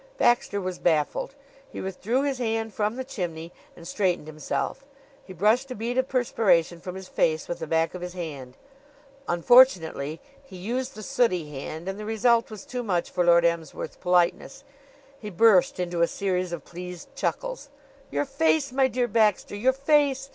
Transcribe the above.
Baxter was baffled. He withdrew his hand from the chimney, and straightened himself. He brushed a bead of perspiration from his face with the back of his hand. Unfortunately, he used the sooty hand, and the result was too much for Lord Emsworth's politeness. He burst into a series of pleased chuckles. "Your face, my dear Baxter! Your face!